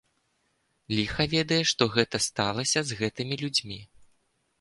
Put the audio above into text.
Ліха ведае што гэта сталася з гэтымі людзьмі.